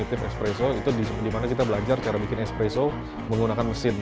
kemudian di d itu adalah definitive espresso itu di mana kita belajar cara bikin espresso menggunakan mesin